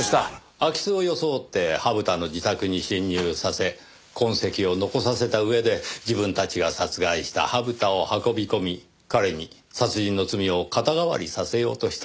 空き巣を装って土生田の自宅に侵入させ痕跡を残させた上で自分たちが殺害した土生田を運び込み彼に殺人の罪を肩代わりさせようとした。